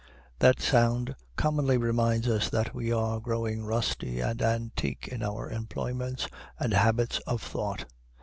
That sound commonly reminds us that we are growing rusty and antique in our employments and habits of thought.